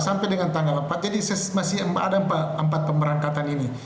sampai dengan tanggal empat jadi masih ada empat pemberangkatan ini